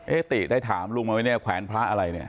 ติได้ถามลุงมาไหมเนี่ยแขวนพระอะไรเนี่ย